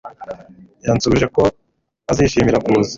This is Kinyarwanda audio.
Yansubije ko azishimira kuza